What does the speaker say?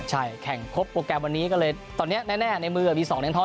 ใช่แข่งครบโปรแกรมวันนี้ก็เลยตอนนี้แน่ในมือมี๒เหรียญทอง